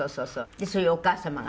でそういうお母様が。